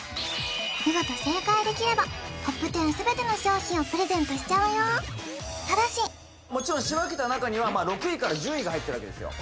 見事正解できればＴＯＰ１０全ての商品をプレゼントしちゃうよただしもちろん仕分けた中には６位から１０位が入ってるわけですよ